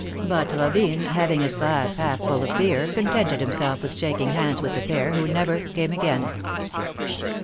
But Robine, having his glass half full of beer, contented himself with shaking hands with the pair, who never came again.